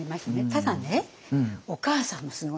ただねお母さんもすごいんです。